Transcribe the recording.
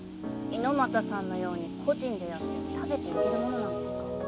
猪俣さんのように個人でやって食べていけるものなんですか？